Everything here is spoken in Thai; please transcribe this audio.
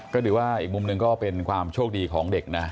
ก็ถือว่าอีกมุมหนึ่งก็เป็นความโชคดีของเด็กนะ